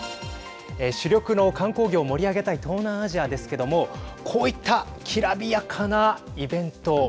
主力の観光業を盛り上げたい東南アジアですけどもこういったきらびやかなイベント。